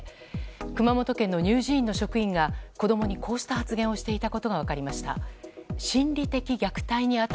熊本県の乳児院の職員が子供にこうした発言をしていたことが分かりました。